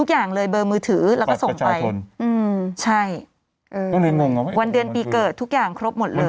วันเดือนปีเกิดทุกอย่างครบหมดเลย